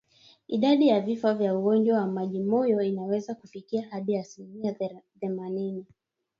Idadi ya vifo vya ugonjwa wa majimoyo inaweza kufikia hadi asilimia themanini